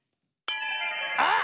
あっ！